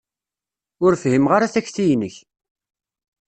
Ur fhimeɣ ara takti-inek.